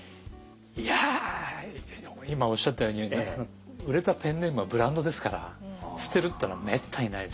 いや今おっしゃったように売れたペンネームはブランドですから捨てるってのはめったにないですよね。